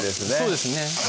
そうですね